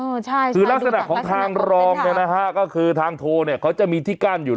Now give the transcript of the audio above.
คือลักษณะของทางรองเนี่ยนะฮะก็คือทางโทรเนี่ยเขาจะมีที่กั้นอยู่